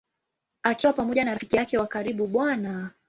Akiwa pamoja na rafiki yake wa karibu Bw.